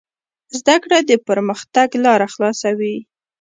زده کړه د پرمختګ لاره خلاصوي.